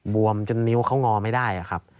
วมจนนิ้วเขางอไม่ได้ครับ